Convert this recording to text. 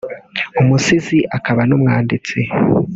umusizi akaba n’umwanditsi